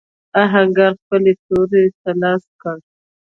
آهنګر خپلې تورې ته لاس کړ.